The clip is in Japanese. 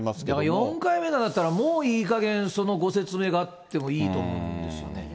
４回目になったら、もういいかげん、そのご説明があってもいいと思うんですよね。